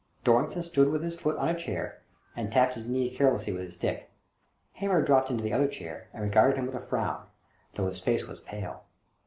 Dorrington stood with his foot on a chair, and tapped his knee carelessly with his stick. Hamer dropped into the other chair and regarded him with a frown, though his face was pale.